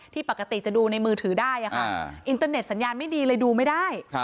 ปกติจะดูในมือถือได้อินเตอร์เน็ตสัญญาณไม่ดีเลยดูไม่ได้